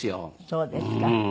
そうですか。